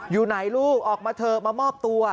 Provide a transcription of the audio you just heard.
อยู่ไหนลูกออกมาเถอะมามอบตัว